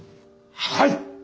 はい！